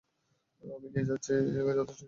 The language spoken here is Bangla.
আমি নিয়ে নিচ্ছি, যথেষ্ট খেয়েছিস।